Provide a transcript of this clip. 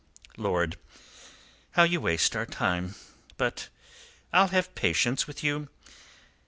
"Lord! How you waste our time. But I'll have patience with you.